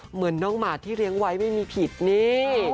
เหมือนน้องหมาที่เลี้ยงไว้ไม่มีผิดนี่